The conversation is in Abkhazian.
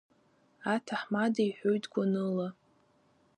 Аҭаҳмада иҳәоит гәаныла…